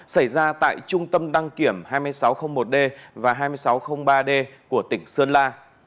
xảy ra tại trung tâm đăng kiểm hai nghìn sáu trăm linh một d và hai nghìn sáu trăm linh ba d của tỉnh sơn la